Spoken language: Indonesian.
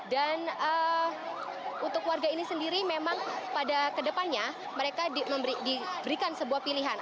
dan untuk warga ini sendiri memang pada kedepannya mereka diberikan sebuah pilihan